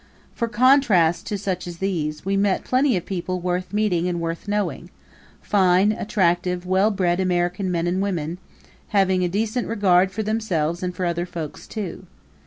For contrasts to such as these, we met plenty of people worth meeting and worth knowing fine, attractive, well bred American men and women, having a decent regard for themselves and for other folks, too.